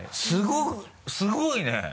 すごいすごいね。